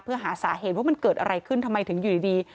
เพื่อหาสาเหตุว่ามันเกิดอะไรขึ้นทำไมถึงอยู่ดี